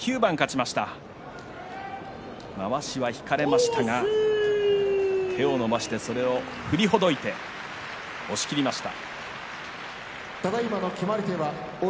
まわしは引かれましたが手を伸ばしてそれを振りほどいて押しきりました。